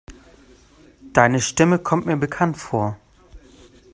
Deine Stimme kommt mir bekannt vor.